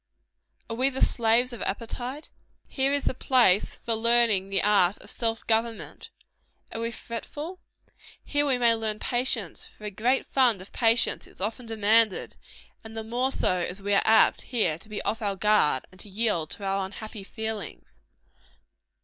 Are we the slaves of appetite? Here is the place for learning the art of self government. Are we fretful? Here we may learn patience: for a great fund of patience is often demanded; and the more so as we are apt, here, to be off our guard, and to yield to our unhappy feelings.